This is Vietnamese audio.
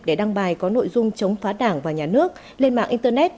để đăng bài có nội dung chống phá đảng và nhà nước lên mạng internet